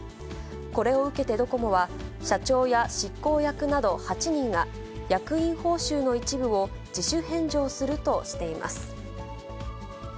これを受けてドコモは、社長や執行役など８人が、役員報酬の一部を自主返上するとしています。